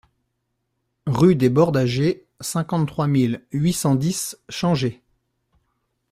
Rue des Bordagers, cinquante-trois mille huit cent dix Changé